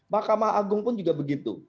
mahkamah agung pun juga begitu